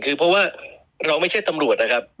เพราะว่าเราไม่ใช่ตำรวจ